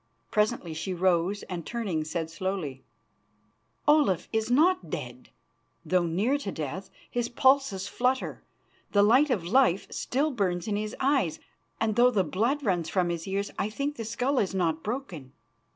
Presently she rose, and, turning, said slowly: "Olaf is not dead, though near to death. His pulses flutter, the light of life still burns in his eyes, and though the blood runs from his ears, I think the skull is not broken."